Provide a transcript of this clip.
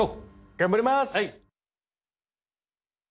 頑張ります！